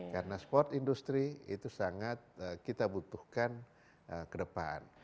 karena sport industri itu sangat kita butuhkan kedepan